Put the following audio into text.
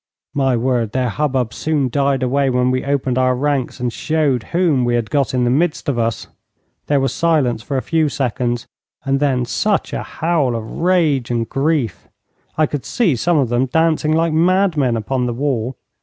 My word, their hubbub soon died away when we opened our ranks, and showed whom we had got in the midst of us! There was silence for a few seconds, and then such a howl of rage and grief! I could see some of them dancing like mad men upon the wall.